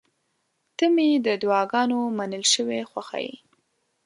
• ته مې د دعاګانو منل شوې خوښه یې.